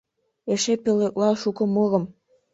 Эше пӧлекла шуко мурым